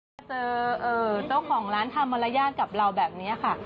มาเจอเจ้าของร้านทำมารยาทกับเราแบบนี้ค่ะ